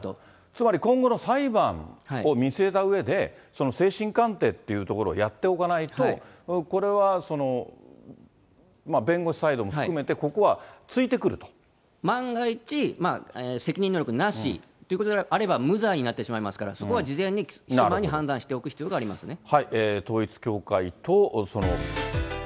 つまり今後の裁判を見据えたうえで、精神鑑定っていうところをやっておかないと、これは弁護士サイドも含めて、万が一、責任能力なしということであれば無罪になってしまいますから、そこは事前に起訴前に判断しておく必要がありますね。